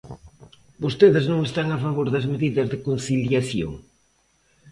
¿Vostedes non están a favor das medidas de conciliación?